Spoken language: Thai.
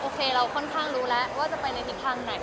โคเราค่อนข้างรู้แล้วว่าจะไปในทิศทางไหน